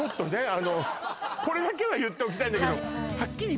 あのこれだけは言っておきたいんだけどはっきり